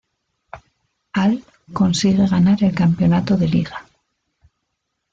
Al consigue ganar el campeonato de Liga.